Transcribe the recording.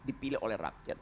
dipilih oleh rakyat